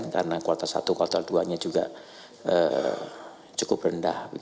karena kuartal satu kuartal dua nya juga cukup rendah